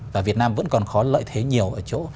và việt nam vẫn còn có lợi thế nhiều